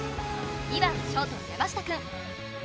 ２番ショート山下くん